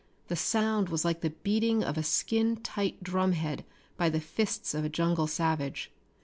The sound was like the beating of a skin tight drumhead by the fists of a jungle savage.